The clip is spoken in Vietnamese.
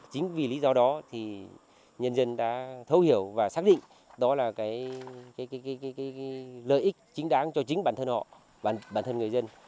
chính vì lý do đó thì nhân dân đã thấu hiểu và xác định đó là cái lợi ích chính đáng cho chính bản thân họ và bản thân người dân